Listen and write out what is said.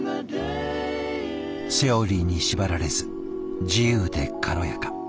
セオリーに縛られず自由で軽やか。